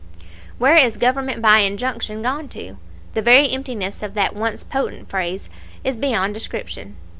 "Where is 'government by injunction' gone to? The very emptiness of that once potent phrase is beyond description!